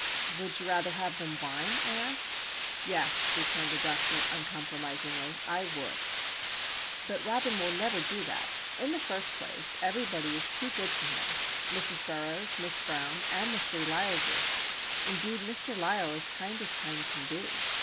"Would you rather have them whine?" I asked. "Yes," returned the doctor, uncompromisingly. "I would." But Robin will never do that. In the first place, everybody is too good to him;—Mrs. Burroughs, Miss Brown, and the three Lysles. Indeed, Mr. Lysle is kind as kind can be.